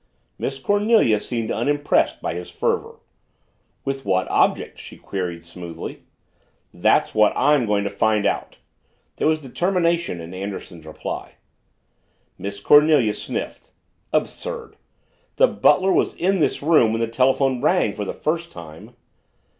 Miss Cornelia seemed unimpressed by his fervor. "With what object?" she queried smoothly. "That's what I'm going to find out!" There was determination in Anderson's reply. Miss Cornelia sniffed. "Absurd! The butler was in this room when the telephone rang for the first time."